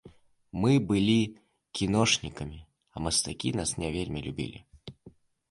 Мы былі кіношнікамі, а мастакі нас не вельмі любілі.